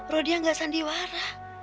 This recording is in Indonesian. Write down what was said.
rodia gak sandiwara